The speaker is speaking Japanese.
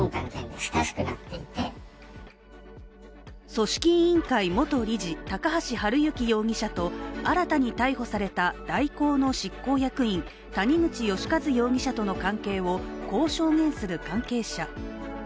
組織委員会元理事・高橋治之容疑者と新たに逮捕された大光の執行役員谷口義一容疑者との関係をこう証言する関係者。